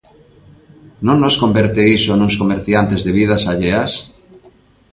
Non nos converte iso nuns comerciantes de vidas alleas?